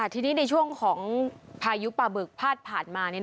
ทีนี้ในช่วงของพายุปลาบึกพาดผ่านมา